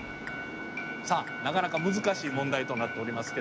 さあなかなか難しい問題となっておりますけども。